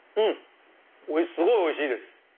すごいおいしいです！